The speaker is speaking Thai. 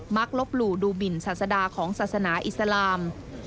ลบหลู่ดูบินศาสดาของศาสนาอิสลาม